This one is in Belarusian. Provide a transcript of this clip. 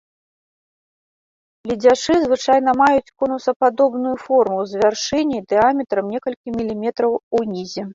Ледзяшы звычайна маюць конусападобную форму з вяршыняй дыяметрам некалькі міліметраў унізе.